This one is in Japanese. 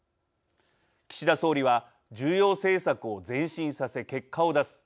岸田総理は「重要政策を前進させ結果を出す。